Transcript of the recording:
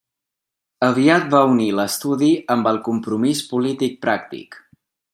Aviat va unir l'estudi amb el compromís polític pràctic.